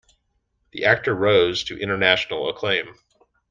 The actor rose to international acclaim.